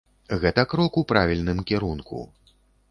Гэта крок у правільным кірунку.